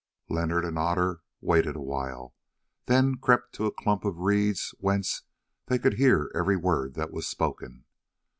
Leonard and Otter waited awhile, then crept to a clump of reeds whence they could hear every word that was spoken.